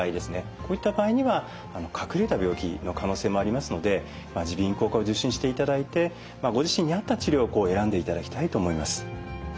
こういった場合には隠れた病気の可能性もありますので耳鼻咽喉科を受診していただいてご自身に合った治療を選んでいただきたいと思います。